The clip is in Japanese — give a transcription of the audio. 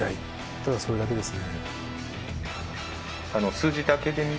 ただそれだけですね。